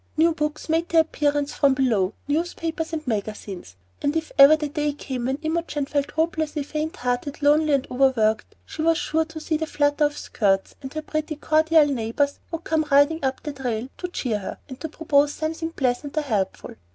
New books made their appearance from below, newspapers and magazines; and if ever the day came when Imogen felt hopelessly faint hearted, lonely, and over worked, she was sure to see the flutter of skirts, and her pretty, cordial neighbors would come riding up the trail to cheer her, and to propose something pleasant or helpful.